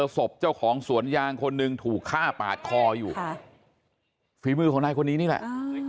ศพเจ้าของสวนยางคนหนึ่งถูกฆ่าปาดคออยู่ฝีมือของนายคนนี้นี่แหละ